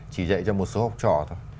chỉ dạy cho một số học trò thôi